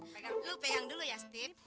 stif lo pegang dulu ya stif